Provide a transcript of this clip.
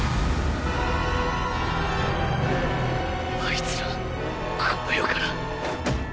あいつらこの世から。